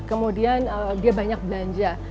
kemudian dia banyak belanja